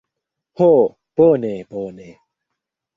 Ho, bone bone.